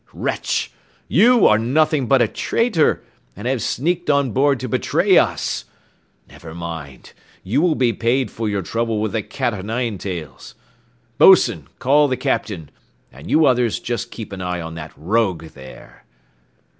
Wretch! you are nothing but a traitor, and have sneaked on board to betray us! Never mind, you will be paid for your trouble with the cat o' nine tails! Boatswain, call the Captain, and you others just keep an eye on that rogue there."